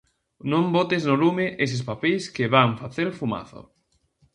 Non botes no lume eses papeis que van facer fumazo.